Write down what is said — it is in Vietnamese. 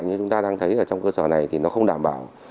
như chúng ta đang thấy ở trong cơ sở này thì nó không đảm bảo